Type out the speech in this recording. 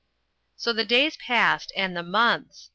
So the days passed and the months.